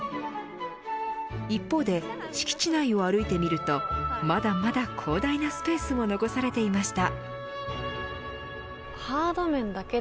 一方で、敷地内を歩いてみるとまだまだ広大なスペースも残されていました。